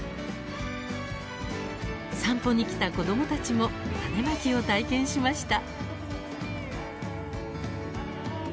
散歩に来た子どもたちも種まきを体験しました。